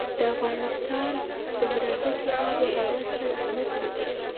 د افغانستان جغرافیه کې آب وهوا ستر اهمیت لري.